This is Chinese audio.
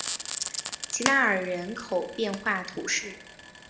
吉纳尔人口变化图示